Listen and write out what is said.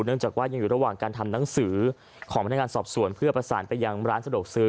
จากว่ายังอยู่ระหว่างการทำหนังสือของพนักงานสอบสวนเพื่อประสานไปยังร้านสะดวกซื้อ